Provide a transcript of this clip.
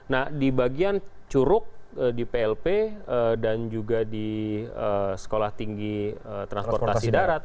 nah di bagian curug di plp dan juga di sekolah tinggi transportasi darat